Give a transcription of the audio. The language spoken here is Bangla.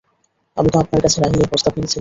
আমি তো আপনার কাছে রাহীলের প্রস্তাব দিয়েছিলাম।